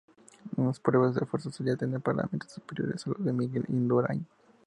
En las pruebas de esfuerzo solía tener parámetros superiores a los de Miguel Indurain.